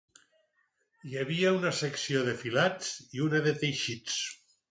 Hi havia una secció de filats i una de teixits.